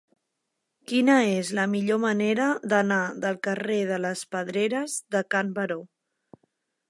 Quina és la millor manera d'anar del carrer de les Pedreres de Can Baró